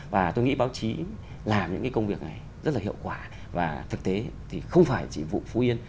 và tôi nghĩ báo chí làm những cái công việc này rất là hiệu quả và thực tế thì không phải chỉ vụ phú yên